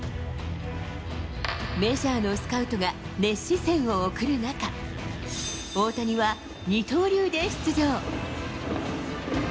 メジャーのスカウトが熱視線を送る中、大谷は二刀流で出場。